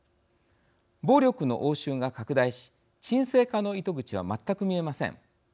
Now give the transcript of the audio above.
暴力の応酬が拡大し沈静化の糸口は全く見えません。